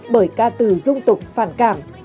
bởi ca từ dung tục phản cảm